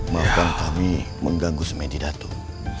maafkan kami mengganggu semen di datuk